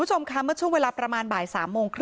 เพลงที่สุดท้ายเสียเต้ยมาเสียชีวิตค่ะ